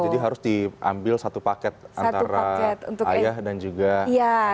jadi harus diambil satu paket antara ayah dan juga anak anaknya